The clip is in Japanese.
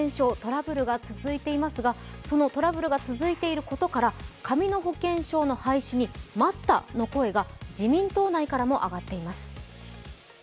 マイナ保険証トラブルが続いていり問題、そのトラブルが続いていることから紙の保険証の廃止に待ったの声が自民党内からもあがっています。